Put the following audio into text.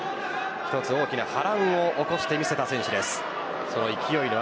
１つ大きな波乱を起こして見せた選手です。